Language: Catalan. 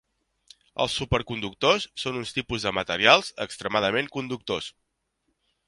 Els superconductors són un tipus de materials extremadament conductors.